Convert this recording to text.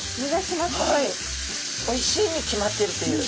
おいしいに決まってるという。